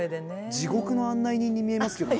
地獄の案内人に見えますけどね。